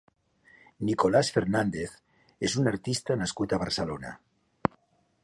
Nicolás Fernández és un artista nascut a Barcelona.